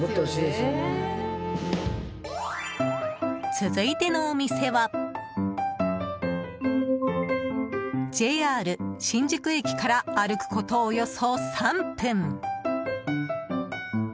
続いてのお店はＪＲ新宿駅から歩くことおよそ３分。